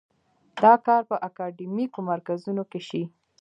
دا کار په اکاډیمیکو مرکزونو کې شي.